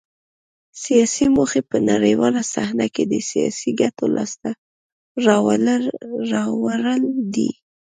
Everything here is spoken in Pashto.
سیاسي موخې په نړیواله صحنه کې د سیاسي ګټو لاسته راوړل دي